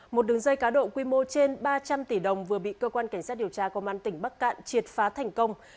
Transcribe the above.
một đường dây cá độ quy mô trên ba trăm linh tỷ đồng vừa bị cơ quan cảnh sát điều tra công an tỉnh bắc cạn triệt phá thành công